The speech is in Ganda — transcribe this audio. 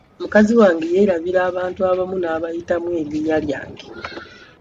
Mukazi wange yeerabira abantu abamu n'abayitamu erinnya lyange.